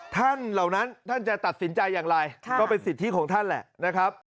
เหล่านั้นท่านจะตัดสินใจอย่างไรก็เป็นสิทธิของท่านแหละนะครับ